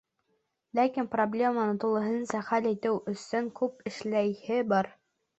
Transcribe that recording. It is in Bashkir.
Ләкин проблеманы тулыһынса хәл итеү өсөн күп эшләйһе бар.